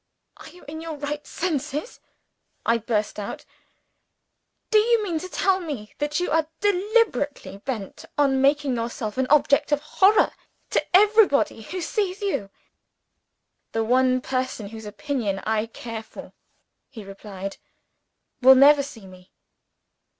"Are you in your right senses?" I burst out. "Do you mean to tell me that you are deliberately bent on making yourself an object of horror to everybody who sees you?" "The one person whose opinion I care for," he replied, "will never see me."